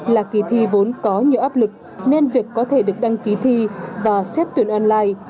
là kỳ thi vốn có nhiều áp lực nên việc có thể được đăng ký thi và xét tuyển online